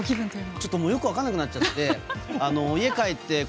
ちょっとよく分からなくなっちゃって。